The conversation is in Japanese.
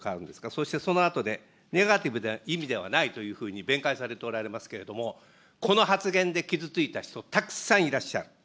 そしてそのあとで、ネガティブな意味ではないというふうに弁解されておられますけれども、この発言で傷ついた人、たくさんいらっしゃる。